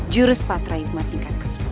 jurus patraik matikan kesepuluh